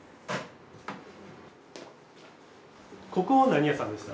ここは何屋さんでした？